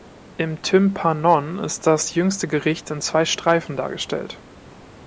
Im Tympanon ist das Jüngste Gericht in zwei Streifen dargestellt.